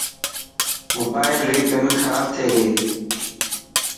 موبائل ري پن کراب ٿي گئي.